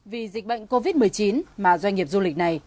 vì dịch bệnh covid một mươi chín mà doanh nghiệp du lịch này